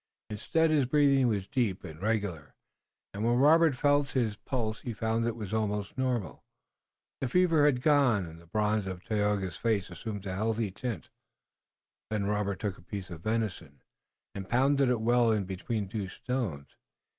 Instead his breathing was deep and regular, and when Robert felt his pulse he found it was almost normal. The fever was gone and the bronze of Tayoga's face assumed a healthful tint. Then Robert took a piece of venison, and pounded it well between two stones.